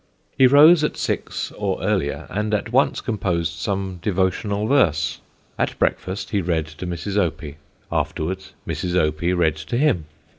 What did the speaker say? He rose at six or earlier and at once composed some devotional verse. At breakfast, he read to Mrs. Opie; afterwards Mrs. Opie read to him.